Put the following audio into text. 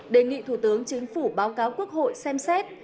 đề nghị thủ tướng chính phủ báo cáo quốc hội xem xét